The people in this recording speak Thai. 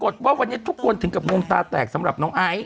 แตกสำหรับน้องไอ